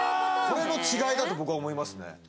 これの違いだと僕は思いますね。